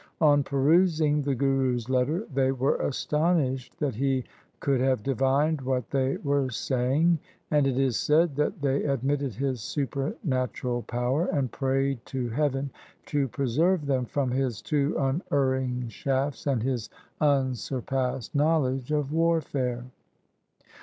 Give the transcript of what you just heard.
On perusing the Guru's letter they were astonished that he could have divined what they were saying; and it is said that they admitted his supernatural power and prayed to heaven to preserve them from his too unerring shafts, and his unsurpassed knowledge of warfare.